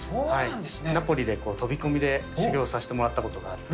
ナポリで飛び込みで修業させてもらったことがあって。